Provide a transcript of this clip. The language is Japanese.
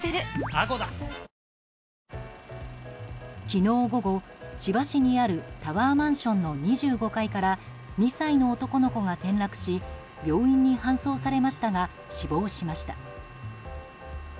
昨日午後、千葉市にあるタワーマンションの２５階から２歳の男の子が転落し、病院に搬送されましたが死亡しました。